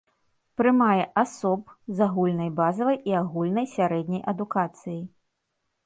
Прымае асоб з агульнай базавай і агульнай сярэдняй адукацыяй.